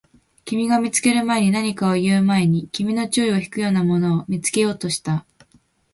君が見つける前に、何かを言う前に、君の注意を引くようなものを見つけようとした